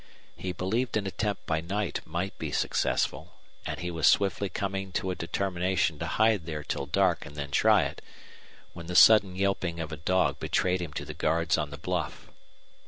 He believed an attempt by night might be successful; and he was swiftly coming to a determination to hide there till dark and then try it, when the sudden yelping of a dog betrayed him to the guards on the bluff.